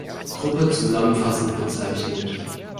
Gruppe zusammenfassend bezeichnet.